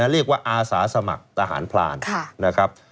เรียกว่าอาสาสมัครทหารพลาน